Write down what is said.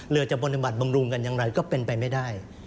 เรือจะบรรษบัตรบำรุงกันอย่างไรก็เป็นไปไม่ได้